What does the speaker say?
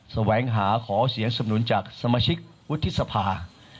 แสวงหาขอเสียงสนุนจากสมาชิกวุฒิสภา